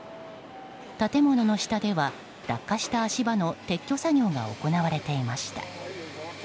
建物の下では落下した足場の撤去作業が行われていました。